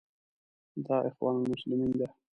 دا اخوان المسلمین ده.